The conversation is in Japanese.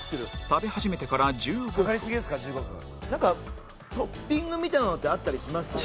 食べ始めてから１５分なんかトッピングみたいなのってあったりします？